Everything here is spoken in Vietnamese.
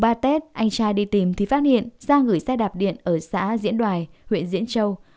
ba tết anh trai đi tìm thì phát hiện ra gửi xe đạp điện ở xã diễn đoài huyện diễn châu